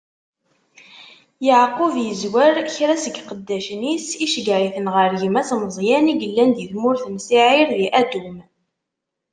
Yeɛqub izzwer kra seg iqeddacen-is, iceggeɛ-iten ɣer gma-s Meẓyan, i yellan di tmurt n Siɛir, di Adum.